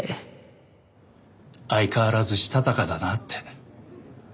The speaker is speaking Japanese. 相変わらずしたたかだなって。